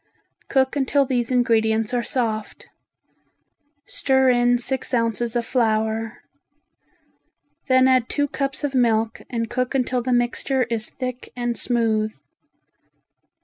Cook until these ingredients are soft. Stir in six ounces of flour. Then add two cups of milk and cook until the mixture is thick and smooth.